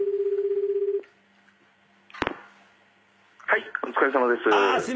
はいお疲れさまです。